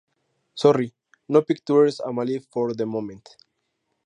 Sorry, no pictures available for the moment.